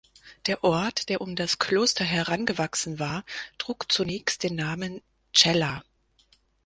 Der Ort, der um das Kloster herangewachsen war, trug zunächst den Namen "Cella".